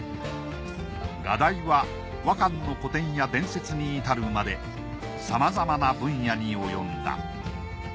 画題は和漢の古典や伝説にいたるまでさまざまな分野に及んだ。